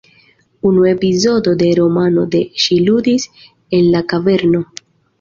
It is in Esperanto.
Unu epizodo de romano de ŝi ludis en la kaverno.